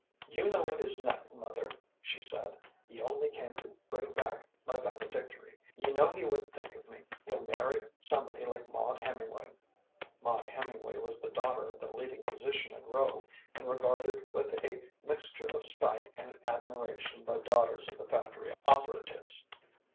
"You know it is nothing, mother," she said; "he only came to bring back my valedictory. You know he wouldn't think of me. He'll marry somebody like Maud Hemingway." Maud Hemingway was the daughter of the leading physician in Rowe, and regarded with a mixture of spite and admiration by daughters of the factory operatives.